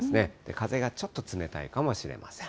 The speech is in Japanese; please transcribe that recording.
風がちょっと冷たいかもしれません。